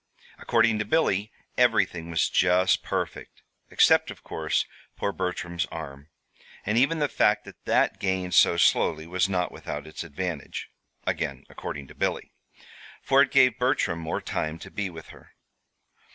According to Billy everything was just perfect except, of course, poor Bertram's arm; and even the fact that that gained so slowly was not without its advantage (again according to Billy), for it gave Bertram more time to be with her.